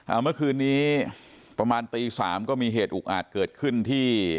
เมื่อคืนนี้ประมาณตีสามก็มีเหตุอุกอาจเกิดขึ้นที่